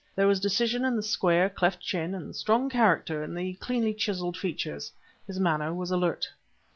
There was decision in the square, cleft chin and strong character in the cleanly chiseled features. His manner was alert.